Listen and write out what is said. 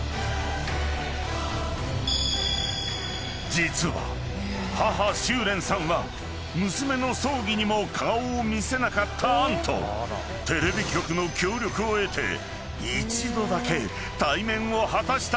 ［実は母秋蓮さんは娘の葬儀にも顔を見せなかった杏とテレビ局の協力を得て一度だけ対面を果たしたことがあった］